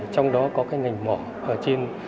trong đó có ngành mỏ ở trên